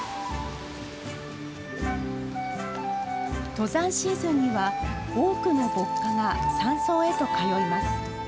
登山シーズンには多くの歩荷が山荘へと通います。